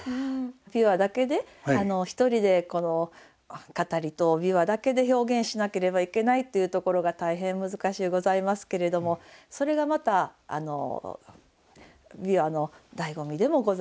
琵琶だけで一人で語りと琵琶だけで表現しなければいけないっていうところが大変難しゅうございますけれどもそれがまた琵琶の醍醐味でもございます。